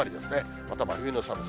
また真冬の寒さ。